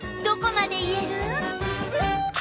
どこまでいえる？